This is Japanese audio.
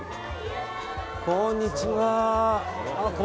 こんにちは。